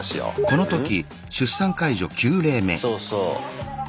そうそう。